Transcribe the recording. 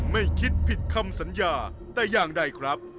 ไม่คิดผิดคำสัญญาแต่อย่างใดครับ